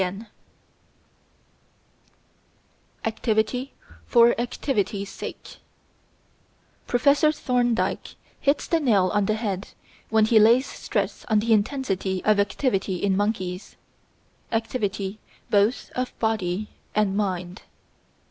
] Activity for Activity's Sake Professor Thorndike hits the nail on the head when he lays stress on the intensity of activity in monkeys activity both of body and mind.